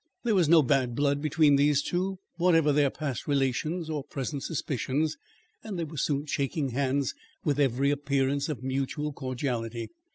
There was no bad blood between these two whatever their past relations or present suspicions, and they were soon shaking hands with every appearance of mutual cordiality.